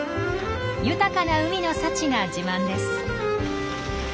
豊かな海の幸が自慢です。